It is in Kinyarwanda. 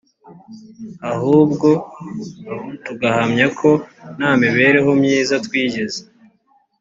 ahubwo tugahamya ko nta mibereho myiza twigeze